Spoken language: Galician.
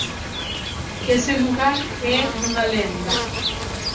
Ese lugar é unha lenda.